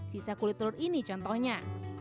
sisa kulit telur ini contohnya